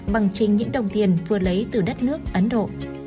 bằng chính những đồng tiền vừa lấy từ đất nước ấn độ